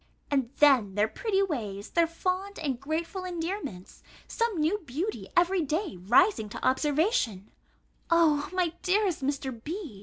And then their pretty ways, their fond and grateful endearments, some new beauty every day rising to observation O my dearest Mr. B.